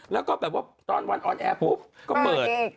แล้วก็แบบว่าตอนวันออนแอร์ปุ๊บก็เปิด